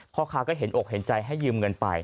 พ่อค้าก็เห็นอกเห็นใจให้ยืมเงินไป